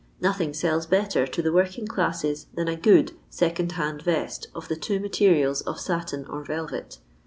Nothing sells better to the working classes than a ffood second hand vest of the two materials of satin or velvet.